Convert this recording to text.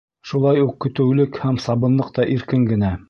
Шулай уҡ көтөүлек һәм сабынлыҡ та иркен генә.